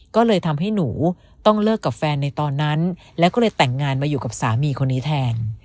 ก็เลยทำให้หนูต้องเลิกกับแฟนในตอนนั้นแล้วก็เลยแต่งงานมาอยู่กับสามีคนนี้แทน